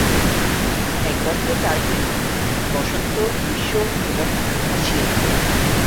এক বছরে চারটি ঋতু: বসন্ত, গ্রীষ্ম, হেমন্ত আর শীত।